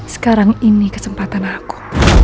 sekarang ini kesempatan aku